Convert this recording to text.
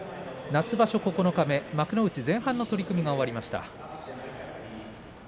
夏場所九日目、幕内前半戦の取組が終わりました。